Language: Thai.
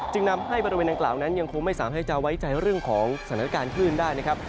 นำให้บริเวณดังกล่าวนั้นยังคงไม่สามารถให้จะไว้ใจเรื่องของสถานการณ์คลื่นได้นะครับ